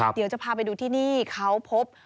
เดี๋ยวจะพาไปดูที่นี่เขาพบ